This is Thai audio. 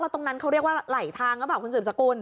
ตรงนั้นเขาเรียกว่าไหลทางหรือเปล่าคุณสืบสกุล